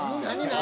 何？